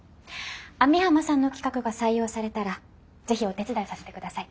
網浜さんの企画が採用されたらぜひお手伝いさせて下さい。